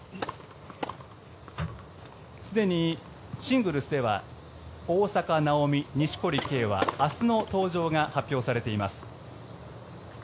すでにシングルスでは大坂なおみ、錦織圭は明日の登場が発表されています。